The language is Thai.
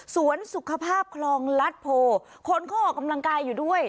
สุขภาพคลองลัดโพคนเขาออกกำลังกายอยู่ด้วย